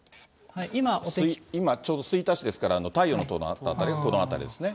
ちょうど今、吹田市ですから、太陽の塔のあった辺りがこの辺りですね。